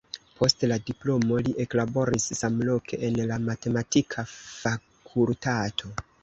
Post la diplomo li eklaboris samloke en la matematika fakultato.